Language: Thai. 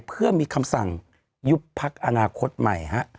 เพื่อมีคำสั่งยุบพักอนาคตใหม่